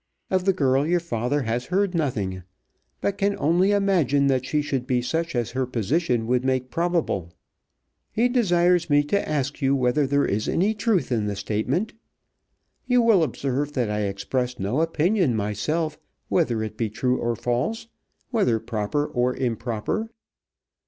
Of the girl your father has heard nothing, but can only imagine that she should be such as her position would make probable. He desires me to ask you whether there is any truth in the statement. You will observe that I express no opinion myself whether it be true or false, whether proper or improper.